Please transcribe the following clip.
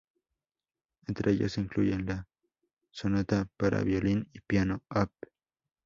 Entre ellos se incluyen la "Sonata para violín y piano", op.